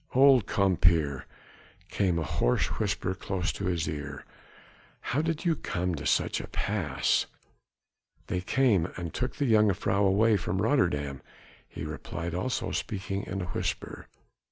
"Old compeer!" came in a hoarse whisper close to his ear, "how did you come to such a pass?" "They came and took the jongejuffrouw away from Rotterdam," he replied also speaking in a whisper.